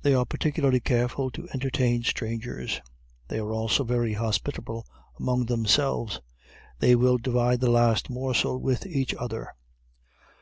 They are particularly careful to entertain strangers. They are also very hospitable among themselves they will divide the last morsel with each other.